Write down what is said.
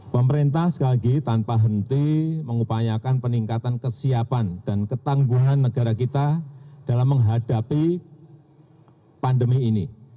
pemerintah sekali lagi tanpa henti mengupayakan peningkatan kesiapan dan ketangguhan negara kita dalam menghadapi pandemi ini